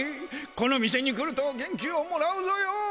この店に来ると元気をもらうぞよ。